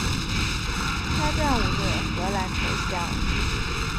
开战五日荷兰投降。